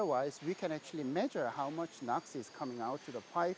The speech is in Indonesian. kita bisa mengukur berapa banyak nox yang keluar ke dalam pipa